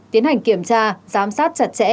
tiến hành kiểm tra giám sát chặt chẽ